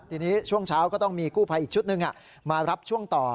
ทีนี้ช่วงเช้าก็ต้องมีกู้ภัยอีกชุดหนึ่งมารับช่วงต่อ